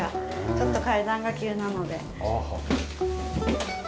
ちょっと階段が急なので。